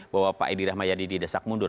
bahwa pak edi rahmayadi didesak mundur